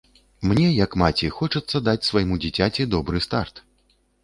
Мне, як маці, хочацца даць свайму дзіцяці добры старт.